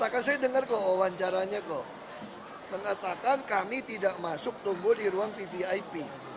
kami tidak masuk tunggu di ruang vvip